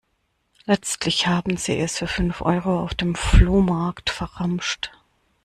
Letztlich haben sie es für fünf Euro auf dem Flohmarkt verramscht.